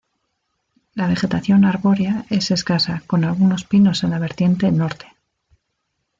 La vegetación arbórea es escasa con algunos pinos en la vertiente norte.